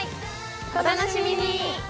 お楽しみに！